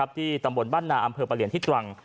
ที่ตำบลบ้านนาอำเภอประเหลียนที่ตรัง